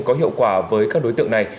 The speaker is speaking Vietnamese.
có hiệu quả với các đối tượng này